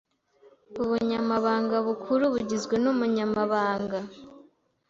Ubunyamabanga Bukuru bugizwe n’Umunyamabanga